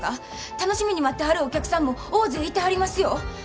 楽しみに待ってはるお客さんも大勢いてはりますよ。